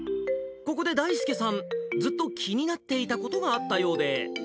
ここでだいすけさん、ずっと気になっていたことがあったようで。